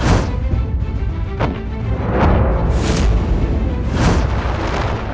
saya terlalu marah